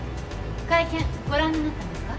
会見ご覧になったんですか？